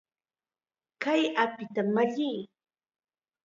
¡Kay apita malliy!